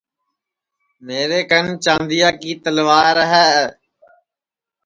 میرے کن چاندیا کی تلوار ہے